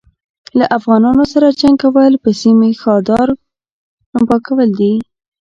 له افغانانو سره جنګ کول په سيم ښاردار کوونه پاکول دي